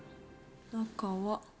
中は。